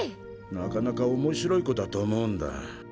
なかなか面白い子だと思うんだ。